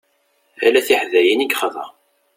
Ala tiḥdayin i yexḍa.